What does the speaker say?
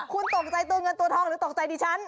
คุณตกใจตัวเงินตัวทองหรือตกใจดิฉัน